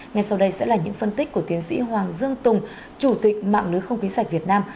ngay sau đây sẽ là những phân tích của tiến sĩ hoàng dương tùng chủ tịch mạng lưới không khí sạch việt nam